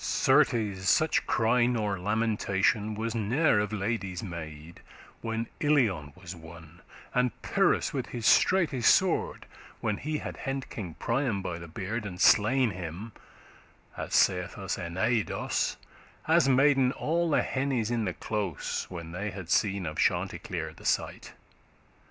Certes such cry nor lamentation Was ne'er of ladies made, when Ilion Was won, and Pyrrhus with his straighte sword, When he had hent* king Priam by the beard, *seized And slain him (as saith us Eneidos*),<34> *The Aeneid As maden all the hennes in the close,* *yard When they had seen of Chanticleer the sight.